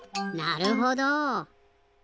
なるほど。